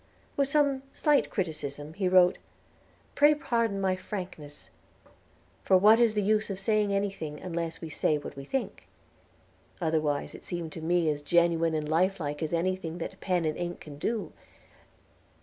With some slight criticism, he wrote, "Pray pardon my frankness, for what is the use of saying anything, unless we say what we think?... Otherwise it seemed to me as genuine and lifelike as anything that pen and ink can do.